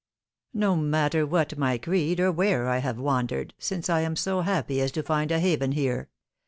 " No matter what my creed or where I have wandered, since I am so happy as to find a haven here.